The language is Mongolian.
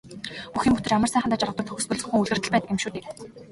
Бүх юм бүтэж амар сайхандаа жаргадаг төгсгөл зөвхөн үлгэрт л байдаг шүү дээ.